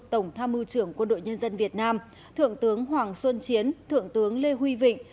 tổng tham mưu trưởng quân đội nhân dân việt nam thượng tướng hoàng xuân chiến thượng tướng lê huy vịnh